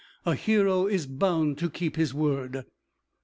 A hero is bound to keep his word."